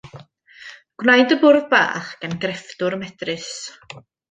Gwnaed y bwrdd bach gan grefftwr medrus.